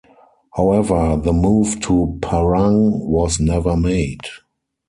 However the move to Parang was never made.